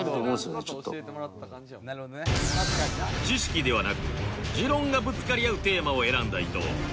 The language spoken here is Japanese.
知識ではなく持論がぶつかり合うテーマを選んだ伊藤